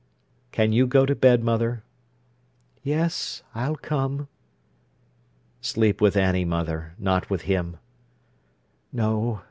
"Can you go to bed, mother?" "Yes, I'll come." "Sleep with Annie, mother, not with him." "No.